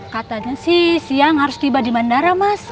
katanya sih siang harus tiba di bandara mas